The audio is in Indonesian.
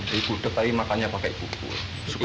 di gudet tadi makannya pakai bubur